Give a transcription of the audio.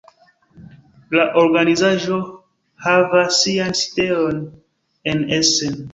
La organizaĵo havas sian sidejon en Essen.